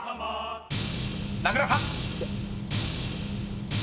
［名倉さん］